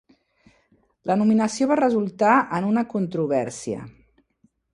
La nominació va resultar en una controvèrsia.